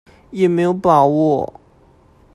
也沒有把握